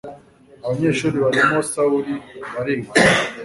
abanyeshuri barimo sawuli bariga